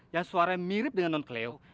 yang suaranya mirip dengan non cleo